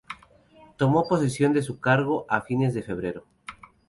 Tomó posesión de su cargo a fines de febrero.